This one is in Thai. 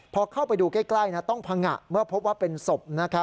พอเข้าไปดูใกล้ต้องพังงะเมื่อพบว่าเป็นศพ